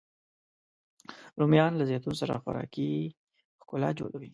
رومیان له زیتون سره خوراکي ښکلا جوړوي